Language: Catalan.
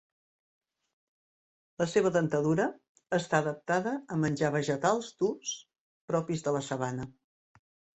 La seva dentadura està adaptada a menjar vegetals durs propis de la sabana.